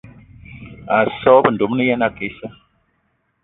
A so g-beu ndomni ye na ake issa.